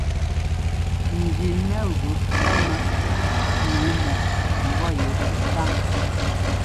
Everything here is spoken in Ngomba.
Jí nɛ gʉ fɛ́mmɛ nǔu mɔ tɛ ḿbɔ́ yɛ kɛkáŋ.